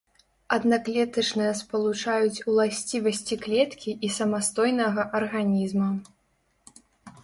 Аднаклетачныя спалучаюць уласцівасці клеткі і самастойнага арганізма.